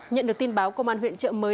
nhận được tin báo công an huyện chợ mới